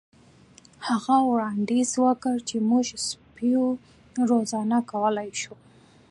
هغه وړاندیز وکړ چې موږ د سپیو روزنه کولی شو